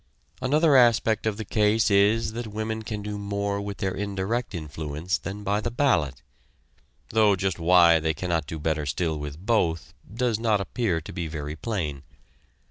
Another aspect of the case is that women can do more with their indirect influence than by the ballot; though just why they cannot do better still with both does not appear to be very plain.